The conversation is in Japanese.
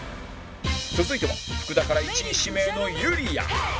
続いては福田から１位指名のゆりやん